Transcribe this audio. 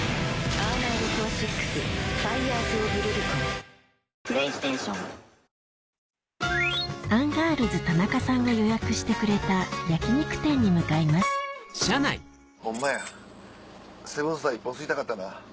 本麒麟アンガールズ・田中さんが予約してくれた焼肉店に向かいますホンマやセブンスター１本吸いたかったな。